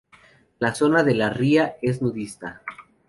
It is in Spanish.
La zona de la ría es nudista.